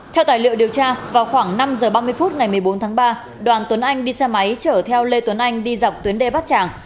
theo tài liệu điều tra vào khoảng năm h ba mươi phút ngày một mươi bốn tháng ba đoàn tuấn anh đi xe máy chở theo lê tuấn anh đi dọc tuyến đê bát tràng